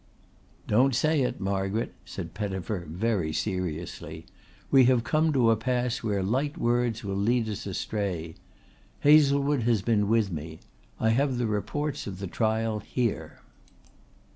"Don't say it, Margaret," said Pettifer very seriously. "We have come to a pass where light words will lead us astray. Hazlewood has been with me. I have the reports of the trial here."